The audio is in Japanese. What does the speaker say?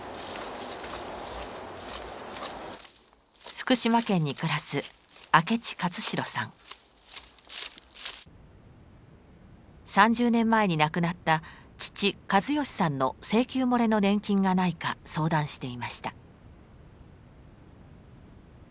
福島県に暮らす３０年前に亡くなった父・計義さんの請求もれの年金がないか相談していました。